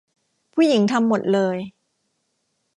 ผู้หญิงทำหมดเลย